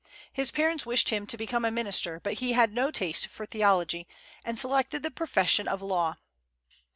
His parents wished him to become a minister, but he had no taste for theology, and selected the profession of law.